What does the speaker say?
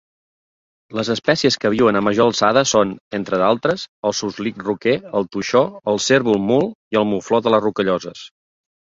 Les espècies que viuen a major alçada són, entre d'altres, el suslic roquer, el toixó, el cérvol mul i el mufló de les rocalloses.